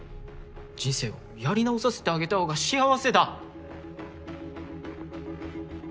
人生をやり直させてあげた方が幸せだ。